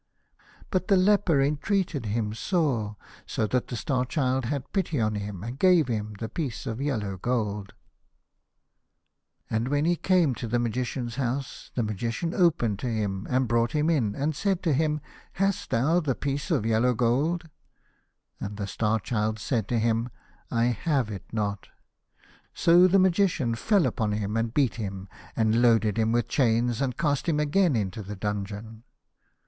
',' But the leper entreated him sore, so that the Star Child had pity on him, and gave him the niece of yellow gold. x 153 A House of Pomegranates. And when he came to the Magician's house, the Magician opened to him, and brought him in, and said to him, " Hast thou the piece of yellow gold ?" And the Star Child said to him, " I have it not." So the Magician fell upon him, and beat him, and loaded him with chains, and cast him again into the dungeon.